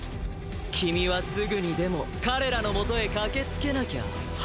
君はすぐにでも彼らの元へ駆けつけなきゃあ。